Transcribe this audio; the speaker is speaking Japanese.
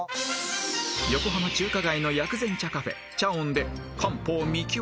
［横浜中華街の薬膳茶カフェ茶音で］